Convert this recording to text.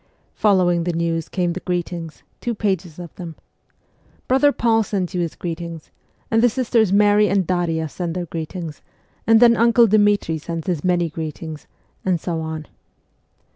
Following the news came the greetings, two pages of them :' Brother Paul sends you his CHILDHOOD 43 greetings, and the sisters Mary and Daria send their greetings, and then uncle Dmitri sends his many greetings,' and so on.